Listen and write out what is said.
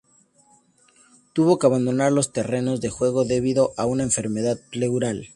Tuvo que abandonar los terrenos de juego debido a una enfermedad pleural.